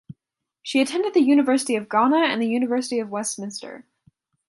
She attended the University of Ghana and the University of Westminster.